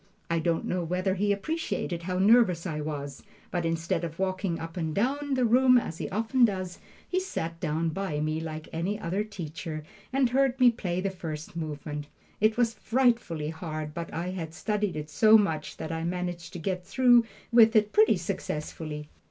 I don't know whether he appreciated how nervous I was, but instead of walking up and down the room, as he often does, he sat down by me like any other teacher, and heard me play the first movement. It was frightfully hard, but I had studied it so much that I managed to get through with it pretty successfully.